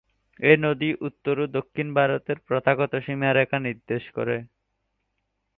এই নদী উত্তর ও দক্ষিণ ভারতের প্রথাগত সীমারেখা নির্দেশ করে।